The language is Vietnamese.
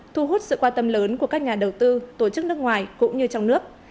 thu hút sự quan tâm lớn của các nhà đầu tư tổ chức nước ngoài cũng như trong nước